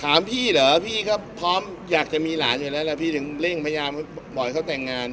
ถามพี่เหรอพี่ก็พร้อมอยากจะมีหลานอยู่แล้วแหละพี่ถึงเร่งพยายามปล่อยเขาแต่งงาน